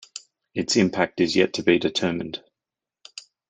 Its impact is yet to be determined.